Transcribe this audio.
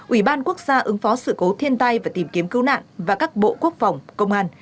ủy ban quốc gia ứng phó sự cố thiên tai và tìm kiếm cứu nạn và các bộ quốc phòng công an